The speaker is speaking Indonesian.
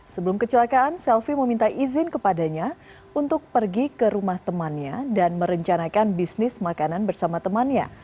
sebelum kecelakaan selvi meminta izin kepadanya untuk pergi ke rumah temannya dan merencanakan bisnis makanan bersama temannya